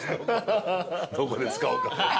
どこで使おうか。